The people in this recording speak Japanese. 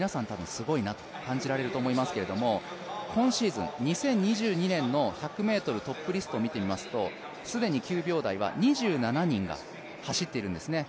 すごいなと感じられると思いますけれども今シーズン２０２２年の１００ｍトップリストを見てみますと既に９秒台は２７人が走っているんですね。